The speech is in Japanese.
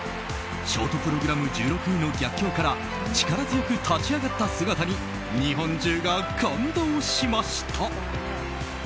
ショートプログラム１６位の逆境から力強く立ち上った姿に日本中が感動しました。